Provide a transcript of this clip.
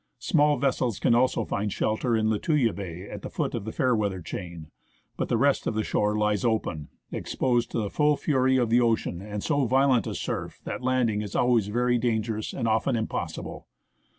Small vessels can also find shelter in Lituya Bay, at the foot of the Fairweather chain ; but the rest of the shore lies open, exposed to the full fury of the ocean, and so violent a surf that landing is always very dangerous and often im possible.